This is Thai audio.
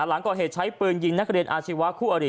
หลังก่อเหตุใช้ปืนยิงนักเรียนอาชีวะคู่อริ